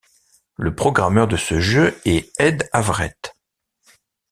Le programmeur de ce jeu est Ed Averett.